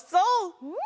うん！